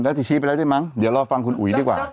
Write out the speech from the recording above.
แล้วจะชี้ไปแล้วด้วยมั้งเดี๋ยวรอฟังคุณอุ๋ยดีกว่า